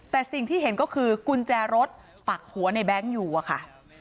แต่สิ่งที่เห็นก็คือกุญแจรถปักหัวในแบงค์อยู่อะค่ะ